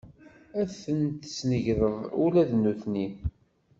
Ad ten-tesnegreḍ ula d nutni?